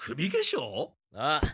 ああ。